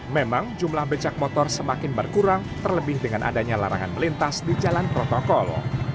memang jumlah becak motor semakin berkurang terlebih dengan adanya larangan melintas di jalan protokol